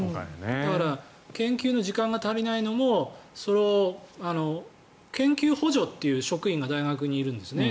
だから研究の時間が足りないのも研究補助という職員が大学にいるんですね。